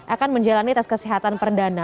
akan menjalani tes kesehatan perdana